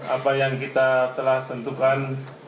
apa yang kita telah tentukan